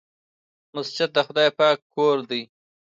مسجد د خدای پاک کور دی.